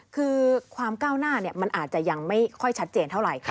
คือความก้าวหน้ามันอาจจะยังไม่ค่อยชัดเจนเท่าไหร่